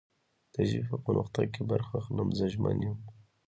د ژبې په پرمختګ کې برخه اخلم. زه ژمن یم